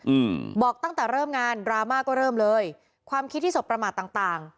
อืมบอกตั้งแต่เริ่มงานดราม่าก็เริ่มเลยความคิดที่สบประมาทต่างต่าง